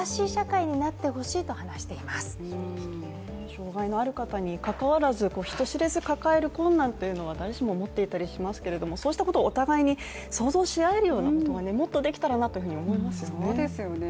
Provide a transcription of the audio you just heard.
障害のある方にかかわらず、人知れず抱える困難って誰しも持っていたりしますがそうしたことをお互いに想像し合えることがもっとできたらなというふうに思いますよね。